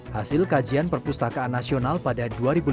hasil kajian perpustakaan nasional pada dua ribu enam belas